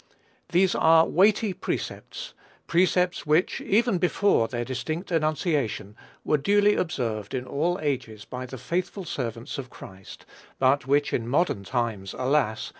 These are weighty precepts, precepts which, even before their distinct enunciation, were duly observed in all ages by the faithful servants of Christ, but which in modern times alas!